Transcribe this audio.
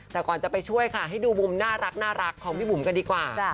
แต่ก่อนจะไปช่วยค่ะให้ดูมุมน่ารักของพี่บุ๋มกันดีกว่า